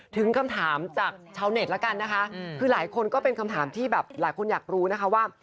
ถึงคำถามจากชาวเน็ตแล้วกันนะคะคือหลายคนก็เป็นคำถามที่แบบหลายคนอยากรู้นะคะว่า